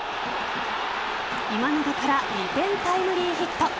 今永から２点タイムリーヒット。